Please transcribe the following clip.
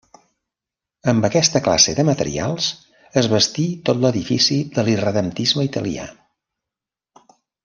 Amb aquesta classe de materials es bastí tot l'edifici de l'irredemptisme italià.